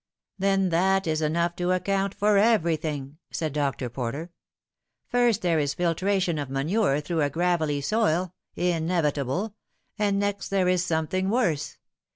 " Then that is enough to account for everything," said Dr. Porter. " First there is filtration of manure through a gravelly soil inevitable and next there is something worse.